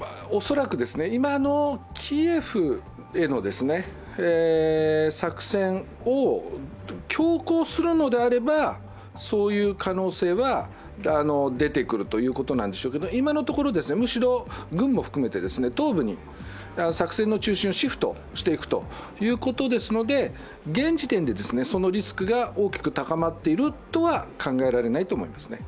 恐らく今のキエフへの作戦を強硬するのであればそういう可能性は出てくるということなんでしょうけれども、今のところ、むしろ、軍も含めて東部に作戦の中心をシフトしていくということですので、現時点でそのリスクが大きく高まっているとは考えられないと思います。